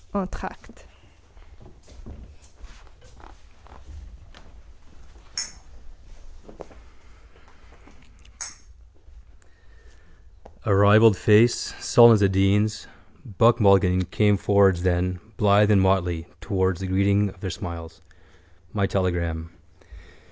Entr'acte. A ribald face, sullen as a dean's, Buck Mulligan came forward, then blithe in motley, towards the greeting of their smiles. My telegram.